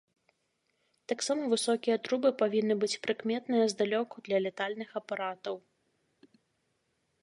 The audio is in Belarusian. Таксама высокія трубы павінны быць прыкметныя здалёку для лятальных апаратаў.